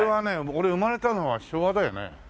俺生まれたのは昭和だよね？